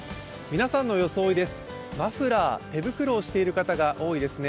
皆さんの装いです、マフラー、手袋をしている方が多いですね。